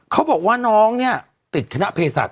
เขาบอกว่าน้องเนี่ยติดคณะเพศศาส